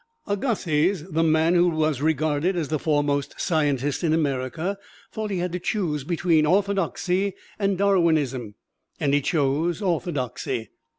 Agassiz, the man who was regarded as the foremost scientist in America, thought he had to choose between orthodoxy and Darwinism, and he chose orthodoxy.